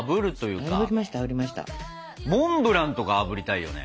モンブランとかあぶりたいよね。